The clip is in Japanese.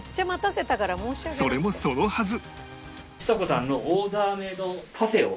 それもそのはず